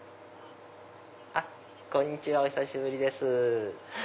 あっこんにちはお久しぶりです。